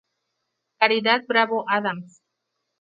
Caridad Bravo Adams